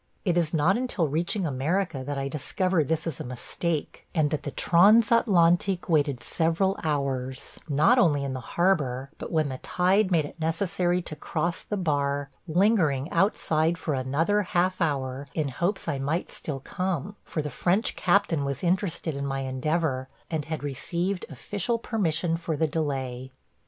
It is not until reaching America that I discover this is a mistake and that the Transatlantique waited several hours, not only in the harbor, but when the tide made it necessary to cross the bar, lingering outside for another half hour in hopes I might still come, for the French captain was interested in my endeavor, and had received official permission for the delay.